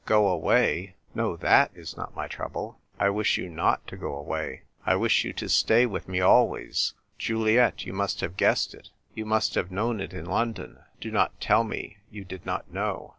" Go aivay ? No, that is not my trouble. I wish you not to go away. I wish you to stay with me always. Juliet, you must have guessed it ; you must have known it in London. Do not tell me you did not know.